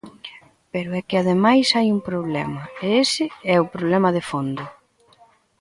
Pero é que ademais hai un problema, e ese é o problema de fondo.